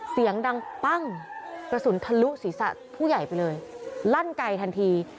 เสียงดังปั้งกระสุนทะลุศีรษะผู้ใหญ่ไปเลยลั่นไกลทันที